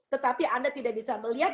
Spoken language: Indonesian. tetapi anda tidak bisa melihat